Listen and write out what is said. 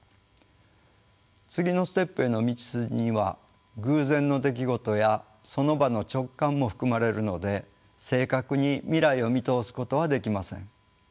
次のステップへの道筋には偶然の出来事やその場の直感も含まれるので正確に未来を見通すことはできません。